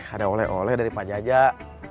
ada oleh oleh dari pak jaja